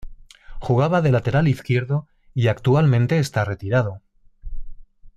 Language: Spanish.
Jugaba de lateral izquierdo y actualmente esta retirado.